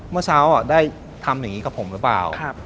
เมื่อเช้าได้ทำอย่างนี้กับผมหรือเปล่า